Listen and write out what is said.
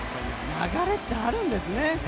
流れってあるんですね。